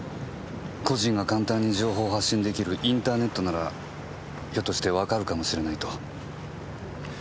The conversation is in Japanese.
個人が簡単に情報を発信できるインターネットならひょっとしてわかるかもしれないと。